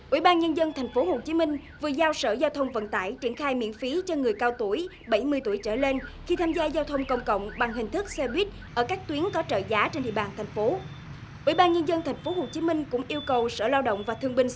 ủy ban nhân dân tp hcm vừa giao sở giao thông vận tải triển khai miễn phí cho người cao tuổi bảy mươi tuổi trở lên khi tham gia giao thông công cộng bằng hình thức xe buýt ở các tuyến có trợ giá trên địa bàn thành phố